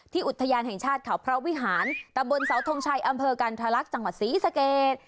อุทยานแห่งชาติเขาพระวิหารตะบนเสาทงชัยอำเภอกันทรลักษณ์จังหวัดศรีสเกต